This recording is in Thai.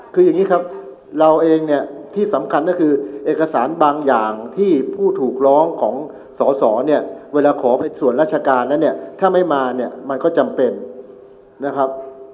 คืออย่างนี้ครับเราเองเนี่ยที่สำคัญก็คือเอกสารบางอย่างที่ผู้ถูกร้องของสอสอเนี่ยเวลาขอไปส่วนราชการแล้วเนี่ยถ้าไม่มาเนี่ยมันก็จำเป็นนะครับ